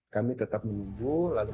kami tetap menunggu